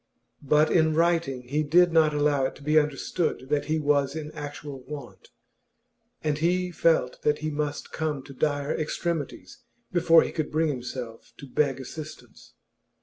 But in writing he did not allow it to be understood that he was in actual want, and he felt that he must come to dire extremities before he could bring himself to beg assistance.